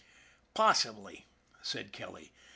" Possibly," said Kelly.